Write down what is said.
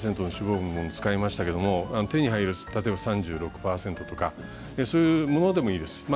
４２％の脂肪分を使いましたけれども手に入る３６％のものとかそういうものでもいいです。